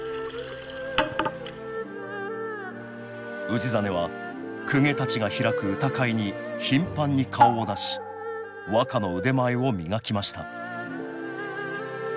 氏真は公家たちが開く歌会に頻繁に顔を出し和歌の腕前を磨きました